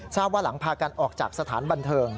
ทราบว่าหลังพากันออกจากสถานบันเทิง